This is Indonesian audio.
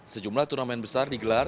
sejumlah turnamen besar digelar